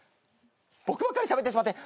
僕ばっかりしゃべってしまって。